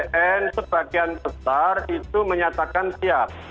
bnn sebagian besar itu menyatakan siap